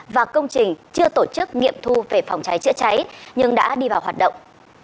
và công trình chưa tổ chức nghiệm thu về phòng trái chữa trái nhưng đã đi vào hoạt động